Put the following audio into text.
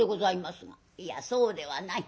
「いやそうではない。